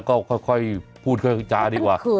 ก็ค่อยพูดค่อยจาดีกว่า